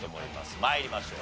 参りましょう。